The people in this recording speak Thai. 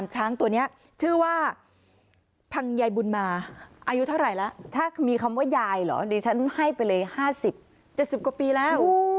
ฉันให้ไปเลย๕๐๗๐กว่าปีแล้ว